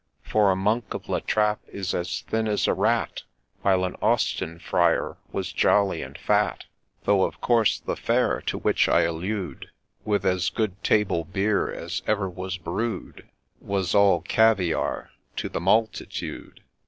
— For a monk of La Trappe is as thin as a rat, While an Austin Friar was jolly and fat ; Though, of course, the fare to which I allude, With as good table beer as ever was brew'd, Was all ' caviare to the multitude/ 140 A LAY OF ST.